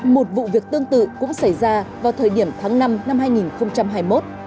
một vụ việc tương tự cũng xảy ra vào thời điểm tháng năm năm hai nghìn hai mươi một